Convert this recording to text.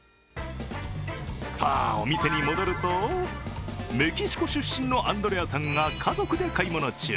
さあ、お店に戻るとメキシコ出身のアンドレアさんが家族で買い物中。